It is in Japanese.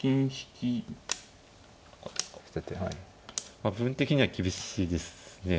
まあ部分的には厳しいですね。